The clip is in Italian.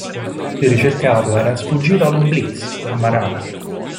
Il ricercato era sfuggito ad un blitz, a Marano.